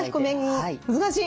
難しい。